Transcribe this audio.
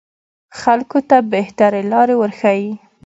خلکو ته بهترې لارې وروښيي